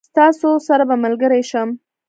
ستاسو سره به ملګري شي.